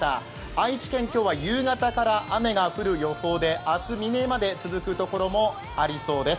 愛知県、今日は夕方から雨が降る予報で明日未明まで続くところもありそうです。